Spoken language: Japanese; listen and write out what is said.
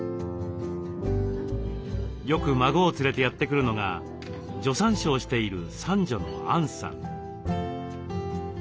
よく孫を連れてやって来るのが助産師をしている三女の安海さん。